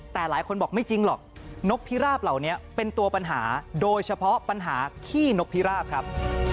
แต่หลายคนบอกไม่จริงหรอกนกพิราบเหล่านี้เป็นตัวปัญหาโดยเฉพาะปัญหาขี้นกพิราบครับ